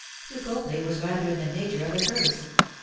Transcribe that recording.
To Copley it was rather in the nature of a curse.